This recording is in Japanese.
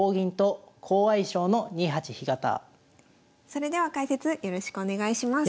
それでは解説よろしくお願いします。